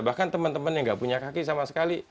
bahkan teman teman yang nggak punya kaki sama sekali